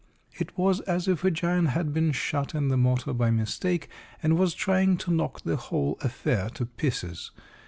It was as if a giant had been shut in the motor by mistake and was trying to knock the whole affair to pieces.